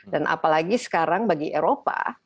dan apalagi sekarang bagi eropa